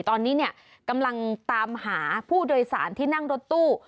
ตอนนี้เนี่ยกำลังตามหาผู้โดยสารที่นั่งรถตู้